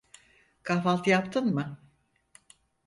Kahvaltı yaptın mı?